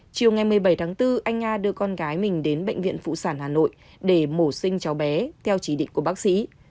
chiều ngày một mươi bảy tháng bốn anh nga đưa con gái mình đến bệnh viện phụ sản hà nội để mổ sinh cháu bé theo chỉ định của bác sĩ